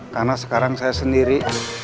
karena sekarang saya sendiri